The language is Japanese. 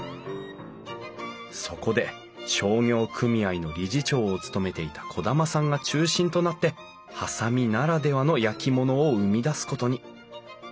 そこで商業組合の理事長を務めていた兒玉さんが中心となって波佐見ならではの焼き物を生み出すことに。